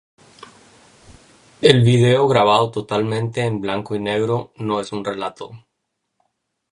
El vídeo, grabado totalmente en blanco y negro, no es un relato.